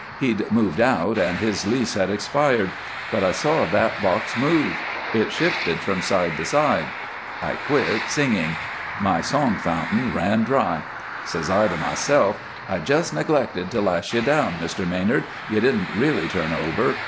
He'd moved out, and his lease had expired. But I saw that box move. It shifted from side to side. I quit singing. My song fountain ran dry. Says I to myself: 'I just neglected to lash you down, Mr. Manard; you didn't really turn over.